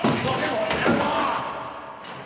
この野郎！